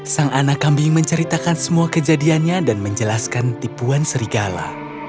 sang anak kambing menceritakan semua kejadiannya dan menjelaskan tipuan serigala